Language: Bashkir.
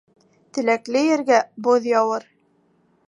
Теләкле ергә боҙ яуыр.